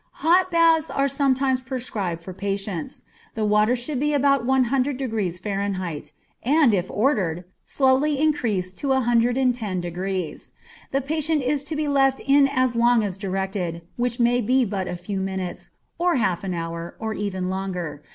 _ Hot baths are sometimes prescribed for patients. The water should be about 100 degrees F., and, if ordered, slowly increased to 110°. The patient is to be left in as long as directed, which may be but a few minutes, or half an hour, or even longer.